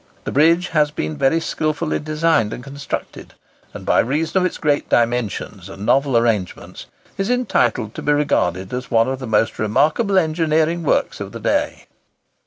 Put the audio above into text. The bridge has been very skilfully designed and constructed, and, by reason of its great dimensions and novel arrangements, is entitled to be regarded as one of the most remarkable engineering works of the day.